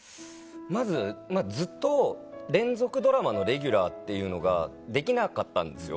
まずずっと連続ドラマのレギュラーっていうのができなかったんですよ。